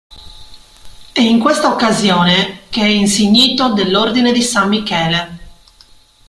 È in questa occasione che è insignito dell'Ordine di San Michele.